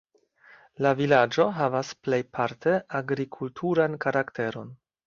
La vilaĝo havas plejparte agrikulturan karakteron.